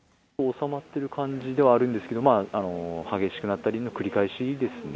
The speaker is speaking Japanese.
収まっている感じではあるんですけれども、激しくなったりの繰り返しですね。